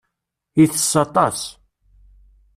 Itess aṭas.